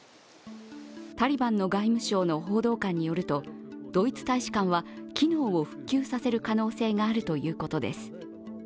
タリバンの外務省の報道官によるとドイツ大使館は機能を復旧させる可能性があるということです。